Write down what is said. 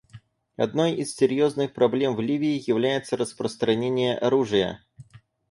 Одной из серьезных проблем в Ливии является распространение оружия.